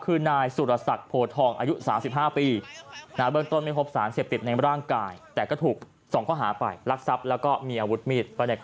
คือนายสุรษักโผทองอายุ๓๕ปี